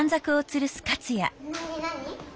何何？